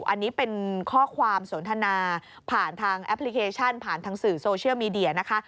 อันนี้เป็นข้อความสนทนาผ่านทางแอปพลิเคชันผ่านทางสื่อโซเชียลมีเดียนะคะ